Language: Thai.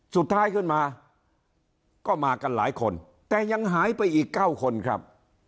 สุดท้ายขึ้นมาก็มากันหลายคนแต่ยังหายไปอีก๙คนครับ